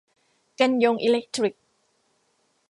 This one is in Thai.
กันยงอีเลคทริก